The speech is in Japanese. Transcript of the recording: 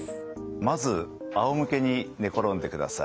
まずあおむけに寝転んでください。